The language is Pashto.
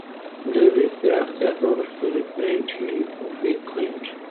د ویب پراختیا دوه برخې لري: فرنټ اینډ او بیک اینډ.